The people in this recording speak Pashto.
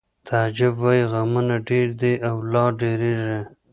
تعجب وایی غمونه ډېر دي او لا ډېرېږي